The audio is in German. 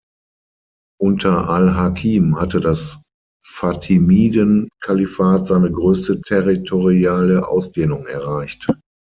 Unter al-Hakim hatte das Fatimiden-Kalifat seine größte territoriale Ausdehnung erreicht.